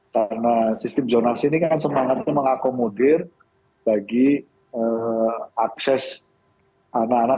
karena sistem zonasi ini kan semangatnya mengakomodir bagi akses anak anak